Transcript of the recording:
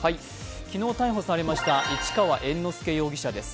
昨日、逮捕されました市川猿之助容疑者です。